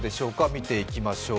見ていきましょう。